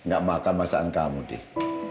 gak makan masakan kamu deh